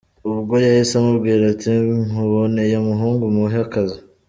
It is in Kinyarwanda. Ubwo yahise amubwira ati nkuboneye umuhungu muhe akazi.